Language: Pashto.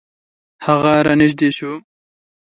هغه را نژدې شو .